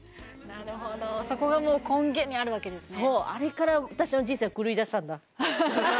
なるほどそこがもう根源にあるわけですね